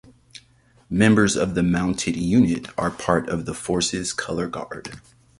Members of the mounted unit are part of the Force's Colour Guard.